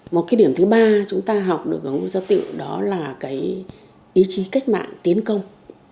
một cái điểm thứ ba chúng ta học được ở hồ gia tựu đó là cái ý chí cách mạng tiến công